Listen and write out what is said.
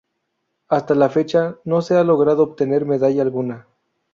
Hasta la fecha no se ha logrado obtener medalla alguna.